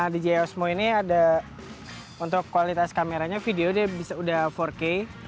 di giosmo ini ada untuk kualitas kameranya video dia bisa udah empat k